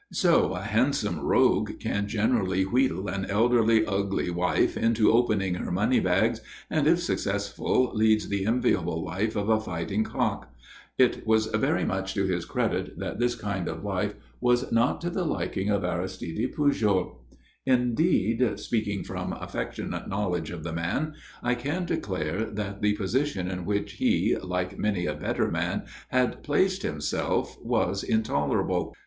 So a handsome rogue can generally wheedle an elderly, ugly wife into opening her money bags, and, if successful, leads the enviable life of a fighting cock. It was very much to his credit that this kind of life was not to the liking of Aristide Pujol. [Illustration: "I FOUND BOTH TYRES HAD BEEN PUNCTURED IN A HUNDRED PLACES"] Indeed, speaking from affectionate knowledge of the man, I can declare that the position in which he, like many a better man, had placed himself was intolerable.